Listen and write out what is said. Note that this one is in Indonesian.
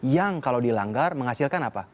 yang kalau dilanggar menghasilkan apa